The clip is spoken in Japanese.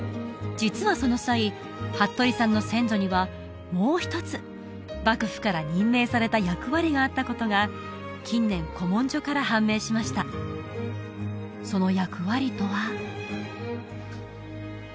実はその際服部さんの先祖にはもう一つ幕府から任命された役割があったことが近年古文書から判明しましたその役割とは？